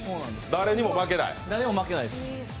誰にも負けないです。